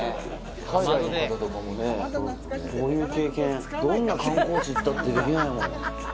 海外の方とかもね、こういう経験、どんな観光地行ったってできないもん。